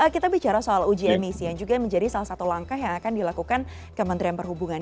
kita bicara soal uji emisi yang juga menjadi salah satu langkah yang akan dilakukan kementerian perhubungan